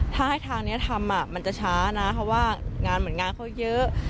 ถ้าให้ทางนี้ทำมันจะช้านะเพราะว่างานเหมือนงานเขาเยอะ